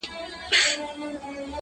ځه پرېږده وخته نور به مي راويښ کړم .